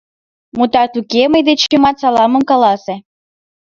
— Мутат уке, мый дечемат саламым каласе!